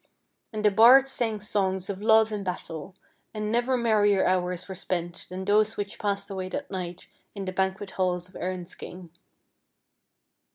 And the bards sang songs of love and battle, and never merrier hours were spent than those which passed away that night in the banquet hall of Erin's king.